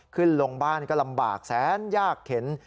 ขึ้นลงบ้านก็ลำบากแสนยากเข็น